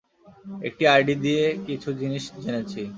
একটা আইডি দিয়ে কিছু জিনিস জেনেছি।